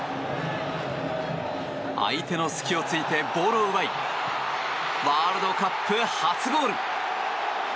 相手の隙を突いてボールを奪いワールドカップ初ゴール！